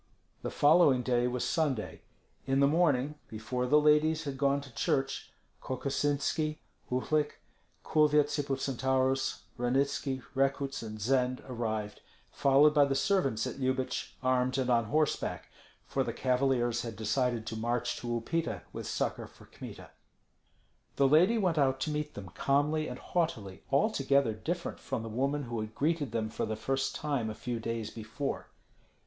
The following day was Sunday. In the morning, before the ladies had gone to church, Kokosinski, Uhlik, Kulvyets Hippocentaurus, Ranitski, Rekuts, and Zend arrived, followed by the servants at Lyubich, armed and on horseback, for the cavaliers had decided to march to Upita with succor for Kmita. The lady went out to meet them calmly and haughtily, altogether different from the woman who had greeted them for the first time a few days before.